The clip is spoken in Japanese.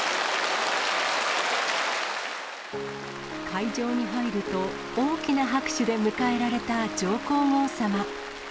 会場に入ると、大きな拍手で迎えられた上皇后さま。